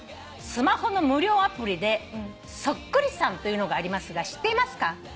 「スマホの無料アプリでそっくりさんというのがありますが知っていますか？」